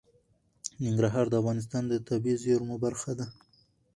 ننګرهار د افغانستان د طبیعي زیرمو برخه ده.